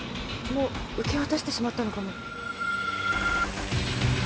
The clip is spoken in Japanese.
もう受け渡してしまったのかも？